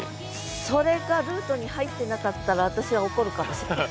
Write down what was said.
それがルートに入ってなかったら私は怒るかもしれない。